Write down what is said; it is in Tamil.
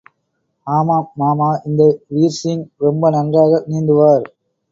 ஆமாம், மாமா, இந்த வீர்சிங் ரொம்ப நன்றாக நீந்துவார்.